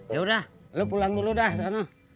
yaudah lu pulang dulu dah sana